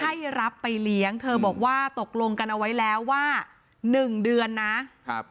ให้รับไปเลี้ยงเธอบอกว่าตกลงกันเอาไว้แล้วว่าหนึ่งเดือนนะครับ